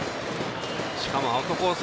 しかもアウトコース